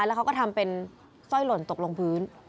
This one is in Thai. แล้วเขาก็ทำเป็นสร้อยหล่นตกลงพื้น